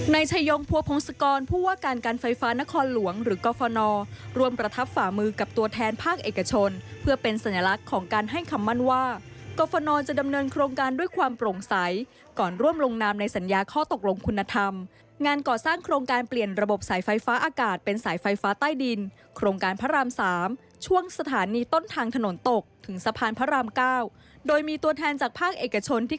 ในชายงพวพงศกรพูดว่าการการไฟฟ้านครหลวงหรือกฟนร่วมประทับฝ่ามือกับตัวแทนภาคเอกชนเพื่อเป็นสัญลักษณ์ของการให้คำมั่นว่ากฟนร่วมจะดำเนินโครงการด้วยความโปร่งใสก่อนร่วมลงนามในสัญญาข้อตกลงคุณธรรมงานก่อสร้างโครงการเปลี่ยนระบบสายไฟฟ้าอากาศเป็นสายไฟฟ้าใต้ดิน